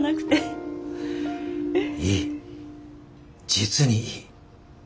実にいい。